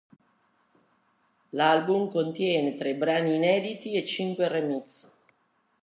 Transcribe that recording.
L'album contiene tre brani inediti e cinque remix.